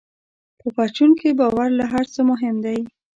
په پرچون کې باور له هر څه مهم دی.